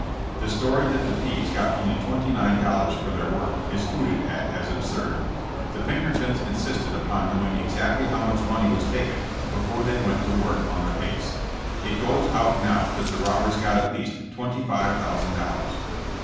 The story that the thieves got only twenty nine dollars for their work is hooted at as absurd. The Pinkertons insisted upon knowing exactly how much money was taken before they went to work on the case. It goes out now that the robbers got at least twenty five thousand dollars.